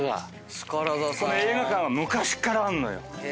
この映画館は昔からあんのよ。